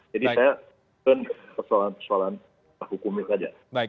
jadi saya terserahkan persoalan persoalan hukumnya saja